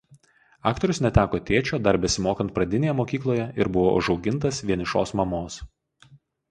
Aktorius neteko tėčio dar besimokant pradinėje mokykloje ir buvo užaugintas vienišos mamos.